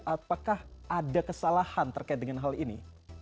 apakah ada kesalahan terkait dengan hal ini